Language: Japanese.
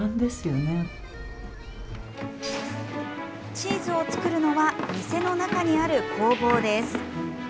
チーズを作るのは店の中にある工房です。